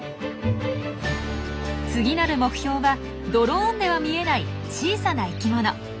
次なる目標はドローンでは見えない小さな生きもの。